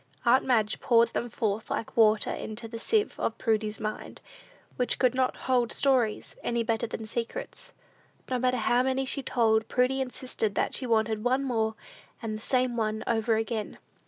Aunt Madge poured them forth like water into the sieve of Prudy's mind, which could not hold stories any better than secrets. No matter how many she told, Prudy insisted that she wanted "one more," and the "same one over again."